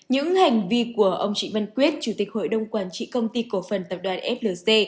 những hành vi của ông trịnh văn quyết chủ tịch hội đồng quản trị công ty cổ phần tập đoàn flc